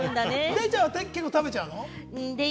デイちゃんは結構食べちゃうの？